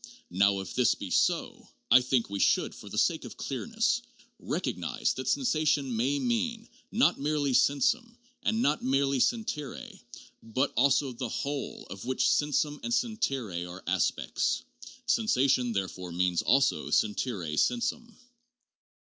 Now if this be so, I think we should, for the sake of clearness, recognize that sensa tion may mean, not merely sensum and not merely sentire, but also the whole of which sensum and sentire are aspects; sensation therefore means also sentire sensum.